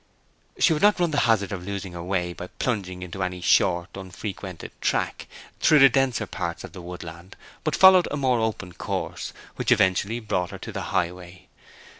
She would not run the hazard of losing her way by plunging into any short, unfrequented track through the denser parts of the woodland, but followed a more open course, which eventually brought her to the highway.